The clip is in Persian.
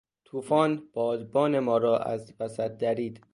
توفان بادبان ما را از وسط درید.